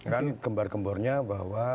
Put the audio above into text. kan gembar gembornya bahwa